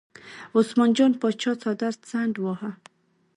عثمان جان پاچا څادر څنډ واهه.